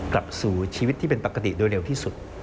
กลับสู่ชีวิตที่เป็นปกติโดยเร็วที่สุด